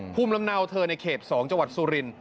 ภูมิลำเนาเธอในเขต๒จสุริน